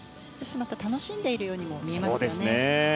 楽しんでいるようにも見えますよね。